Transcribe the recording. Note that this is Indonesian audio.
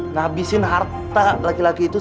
ngabisin harta laki laki itu